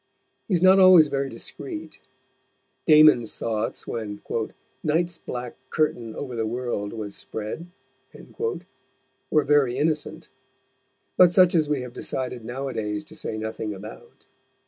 He is not always very discreet; Damon's thoughts when "Night's black Curtain o'er the World was spread" were very innocent, but such as we have decided nowadays to say nothing about.